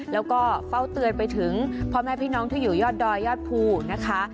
แล้วก็เฝ้าเตือนไปถึงพ่อแม่พี่น้องที่อยู่ยอดดอยยอดภูนะคะ